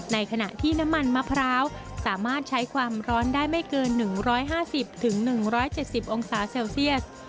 ในขณะที่น้ำมันมะพร้าวสามารถใช้ความร้อนได้ไม่เกิน๑๕๐๑๗๐องศาเซลเซียส